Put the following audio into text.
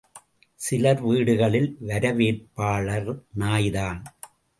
சிலர் வீடுகளில் வரவேற்பாளர் நாய்தான்.